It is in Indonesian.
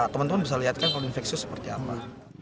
teman teman bisa lihat kan kalau infeksi seperti apa